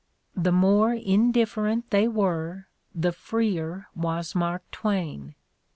The more indifferent they were, the freer was Mark Twain!